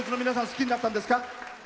好きになったんですか？